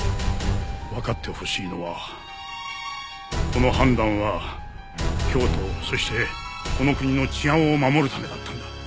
わかってほしいのはこの判断は京都をそしてこの国の治安を守るためだったんだ。